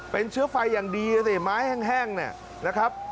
เป็นเชื้อไฟอย่างดีนะสิไม้แห้งเนี่ยนะครับ